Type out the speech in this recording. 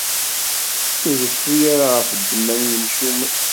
Ur reffu ara ɣef ddemma n yimcumen.